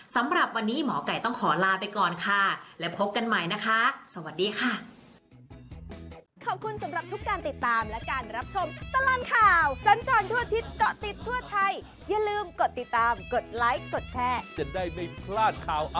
สำหรับวันนี้หมอไก่ต้องขอลาไปก่อนค่ะและพบกันใหม่นะคะสวัสดีค่ะ